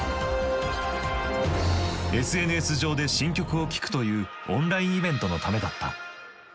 ＳＮＳ上で新曲を聴くというオンラインイベントのためだった。